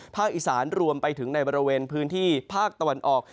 อีสานรวมไปถึงในบริเวณพื้นที่ภาคตะวันออก